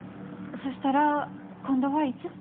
そしたら今度はいつ？